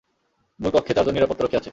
মুল কক্ষে চারজন নিরাপত্তারক্ষী আছে।